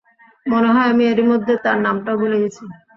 মনে হয় আমি এরিমধ্যে তার নামটাও ভুলে গেছি।